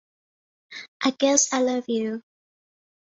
I guess I love you.